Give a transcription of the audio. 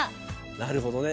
なるほどね。